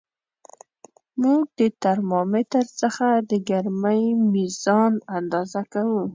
موږ د ترمامتر څخه د ګرمۍ میزان اندازه کوو.